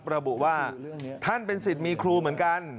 ระบุว่าท่านเป็นสิทธิ์มีครูเหมือนกัน